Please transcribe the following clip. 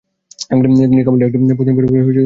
তিনি কাবুলের একটি পশতুন পরিবারে জন্মগ্রহণ করেছিলেন।